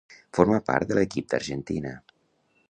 Forma part de l'equip d'Argentina.